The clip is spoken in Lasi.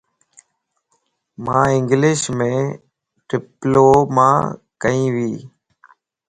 مان انگلشم ڊپلو ماڪين يَ